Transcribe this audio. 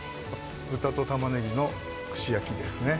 豚と玉ねぎの串焼きですね